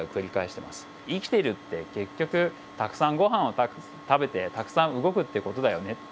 生きてるって結局たくさんごはんを食べてたくさん動くって事だよね。